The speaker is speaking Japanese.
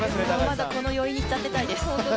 まだこの余韻に浸っていたいです。